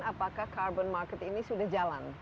apakah carbon market ini sudah jalan